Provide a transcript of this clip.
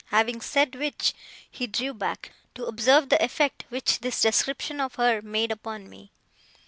Having said which, he drew back, to observe the effect which this description of her made upon me.